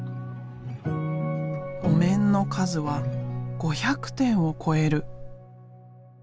お面の数は５００点を超える。